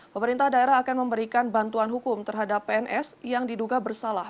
pemerintah daerah akan memberikan bantuan hukum terhadap pns yang diduga bersalah